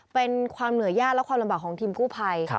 เป็นความเหนื่อยยากและความลำบากของทีมกู้ภัย